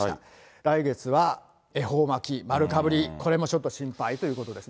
来月は恵方巻、丸かぶり、これもちょっと心配ということですね。